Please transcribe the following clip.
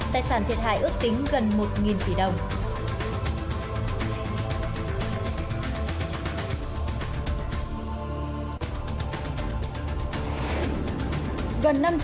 tài sản thiệt hại ước tính gần một tỷ đồng